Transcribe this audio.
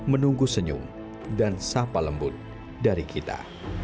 menunggu senyum dan sapa lembut dari kita